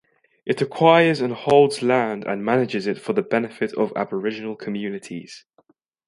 It acquires and holds land and manages it for the benefit of Aboriginal communities.